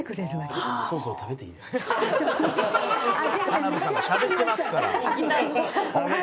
「田辺さんがしゃべってますから」